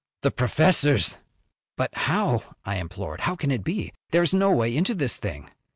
The professor's!" "But how?" I implored. "How can it be? There's no way into this thing.